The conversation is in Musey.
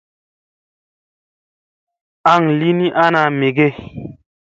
An li ni ana me ge.